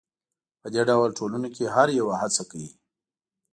په دې ډول ټولنو کې هر یو هڅه کوي